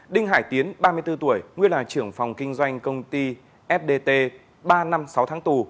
đinh hải tiến ba mươi bốn tuổi nguyên là trưởng phòng kinh doanh công ty fdt ba năm sáu tháng tù